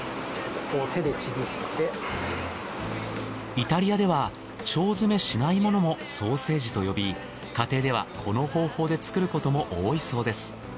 イタリアでは腸詰めしないものもソーセージと呼び家庭ではこの方法で作ることも多いそうです。